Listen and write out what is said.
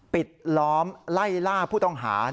ปิดล้อมเล่าทองหา